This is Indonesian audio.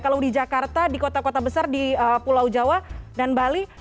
kalau di jakarta di kota kota besar di pulau jawa dan bali